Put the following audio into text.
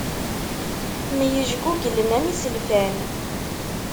Myejguglen am iselfan.